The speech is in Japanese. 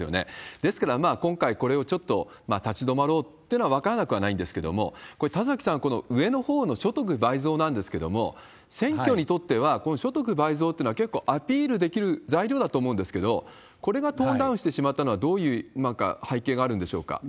ですから今回、これをちょっと立ち止まろうっていうのは、分からなくはないんですけれども、これ、田崎さん、この上のほうの所得倍増なんですけども、選挙にとっては、この所得倍増っていうのは結構アピールできる材料だと思うんですけれども、これがトーンダウンしてしまったのはどういう背景があるんでしょうか？